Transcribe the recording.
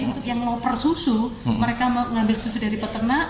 untuk yang mau persusu mereka mau ngambil susu dari peternak